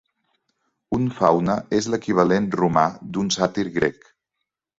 Un faune és l"equivalent romà d"un sàtir grec.